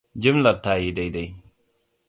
Jimlar ta yi daidai.